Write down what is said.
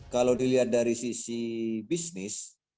kalau dilihat dari sisi bisnis